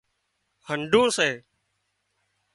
هنڍُون سي